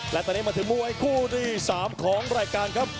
และตอนนี้มาถึงมวยคู่ที่๓ของรายการครับ